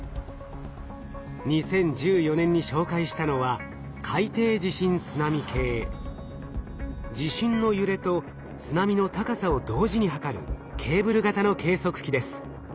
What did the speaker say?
２０１４年に紹介したのは地震の揺れと津波の高さを同時に測るケーブル型の計測器です。